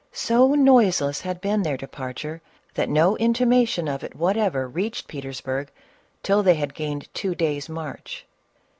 So noiseless had been their departure that no inti mation of it whatever reached Petersburg, till they had gained two days' march.